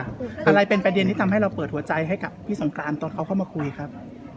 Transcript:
อะไรเป็นประเด็นที่ทำให้เราเปิดหัวใจให้กับพี่สงกรานตอนเขาเข้ามาคุยครับ